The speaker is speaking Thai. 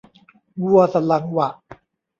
วัวสันหลังหวะ